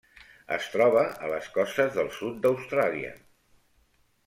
Es troba a les costes del sud d'Austràlia.